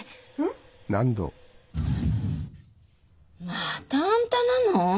またあんたなの？